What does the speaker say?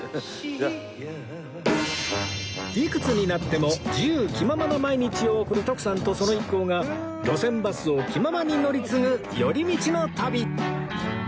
いくつになっても自由気ままな毎日を送る徳さんとその一行が路線バスを気ままに乗り継ぐ寄り道の旅